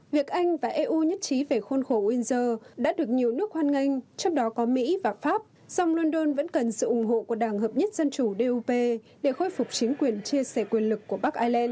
việc anh và eu nhất trí về khuôn khổ windsor đã được nhiều nước hoan nghênh trong đó có mỹ và pháp song london vẫn cần sự ủng hộ của đảng hợp nhất dân chủ để khôi phục chính quyền chia sẻ quyền lực của bắc ireland